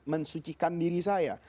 mensucikan diri saya